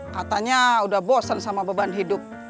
katanya udah bosen sama beban hidup